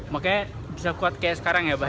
makanya bisa kuat kayak sekarang ya pak